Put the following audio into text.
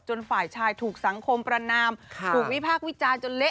ฝ่ายชายถูกสังคมประนามถูกวิพากษ์วิจารณ์จนเละ